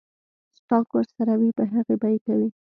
سټاک ورسره وي پۀ هغې به يې کوي ـ